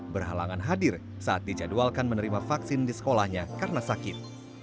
berhalangan hadir saat dijadwalkan menerima vaksin di sekolahnya karena sakit